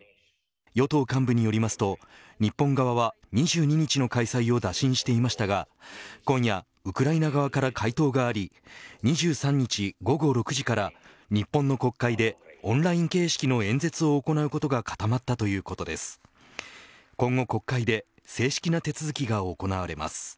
与党幹部によりますと日本側は２２日の開催を打診していましたが今夜ウクライナ側から回答があり２３日午後６時から日本の国会でオンライン形式の演説を行うことが固まったということです。